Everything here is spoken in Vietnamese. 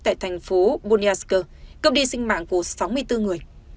tại thành phố boniarsk cơm đi sinh mạng của sáu mươi bốn người